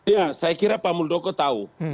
ya saya kira pak muldoko tahu